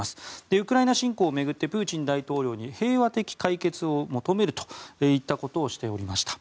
ウクライナ侵攻を巡ってプーチン大統領に平和的解決を求めるといったことをしていました。